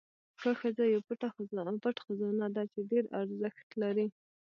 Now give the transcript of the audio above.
ښه ښځه یو پټ خزانه ده چې ډېره ارزښت لري.